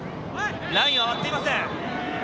ラインは割っていません。